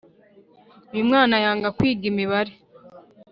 uyumwana yanga kwiga imibare